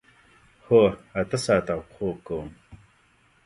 هو، اته ساعته خوب کوم